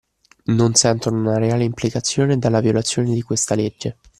Non sentono una reale implicazione dalla violazione di questa legge